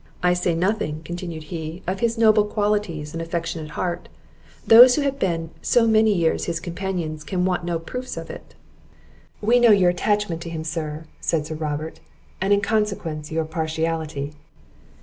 "I say nothing," continued he, "of his noble qualities and affectionate heart; those who have been so many years his companions, can want no proofs of it." "We know your attachment to him, sir," said Sir Robert; "and, in consequence, your partiality."